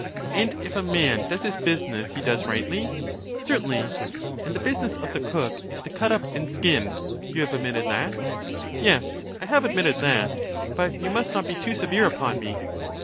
And if a man does his business he does rightly? Certainly. And the business of the cook is to cut up and skin ; you have admitted that? Yes, I have admitted that, but you must not be too severe upon me.